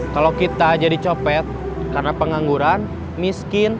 kalau kita jadi copet karena pengangguran miskin